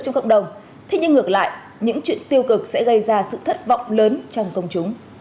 trong cộng đồng thế nhưng ngược lại những chuyện tiêu cực sẽ gây ra sự thất vọng lớn trong công chúng